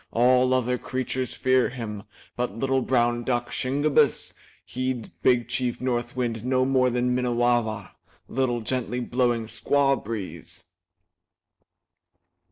All other creatures fear him. But little brown duck, Shingebiss, heeds Big Chief North Wind no more than Minnewawa, little, gently blowing squaw breeze."